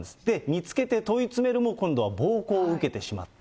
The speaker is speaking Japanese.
見つけて問い詰めるも、今度は暴行を受けてしまった。